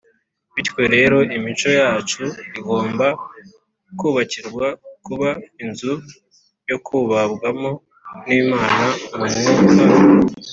. Bityo rero, imico yacu igomba kubakirwa kuba “inzu yo kubabwamo n’Imana mu Mwuka.